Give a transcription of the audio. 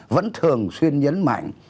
vẫn thường xuyên nhấn mạnh